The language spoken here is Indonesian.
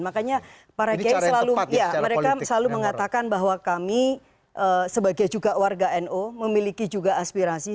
makanya para kiai selalu mengatakan bahwa kami sebagai juga warga nu memiliki juga aspirasi